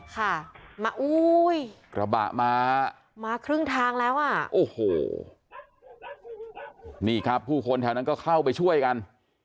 ค่ะมาอุ้ยกระบะมามาครึ่งทางแล้วอ่ะโอ้โหนี่ครับผู้คนแถวนั้นก็เข้าไปช่วยกัน